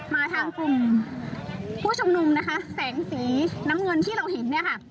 มาทางกลุ่มผู้ชุมนุมนะคะแสงสีน้ำเงินที่เราเห็นเนี่ยค่ะ